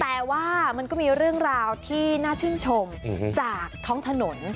แต่ว่ามันก็มีเรื่องราวที่น่าชื่นชมจากท้องถนน